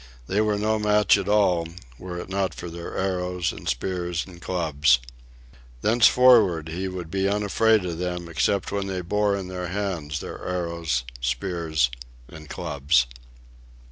They were no match at all, were it not for their arrows and spears and clubs. Thenceforward he would be unafraid of them except when they bore in their hands their arrows, spears, and clubs.